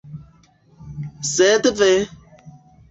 Sed ve!